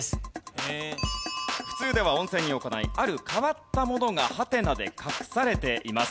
普通では温泉に置かないある変わったものがハテナで隠されています。